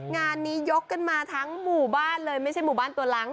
งานนี้ยกกันมาทั้งหมู่บ้านเลยไม่ใช่หมู่บ้านตัวหลัง